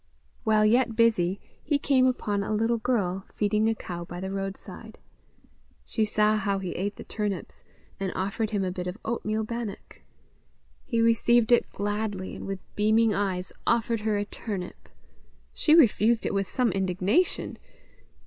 While yet busy he came upon a little girl feeding a cow by the roadside. She saw how he ate the turnips, and offered him a bit of oatmeal bannock. He received it gladly, and with beaming eyes offered her a turnip. She refused it with some indignation.